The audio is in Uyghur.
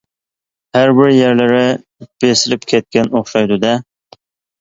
-ھە بىر يەرلىرى بېسىلىپ كەتكەن ئوخشايدۇ دە.